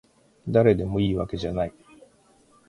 だれでもいいわけじゃない